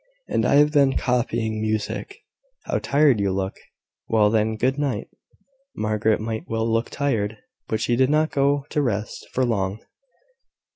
And I have been copying music." "How tired you look!" "Well, then, good night!" Margaret might well look tired; but she did not go to rest for long.